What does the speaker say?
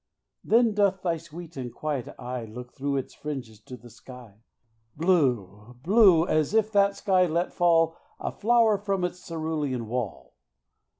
Then doth thy sweet and quiet eye Look through its fringes to the sky, Blue blue as if that sky let fall A flower from its cerulean wall.